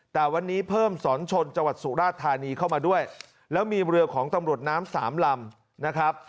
แต่วันนี้เพิ่มสอนชนจังหวัดสุราธานีเข้ามาด้วยแล้วมีเรือของตำรวจน้ำสามลำนะครับ